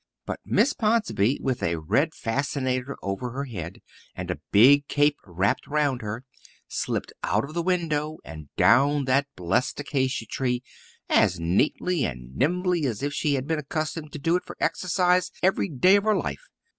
But Miss Ponsonby, with a red fascinator over her head and a big cape wrapped round her, slipped out of the window and down that blessed acacia tree as neatly and nimbly as if she had been accustomed to doing it for exercise every day of her life.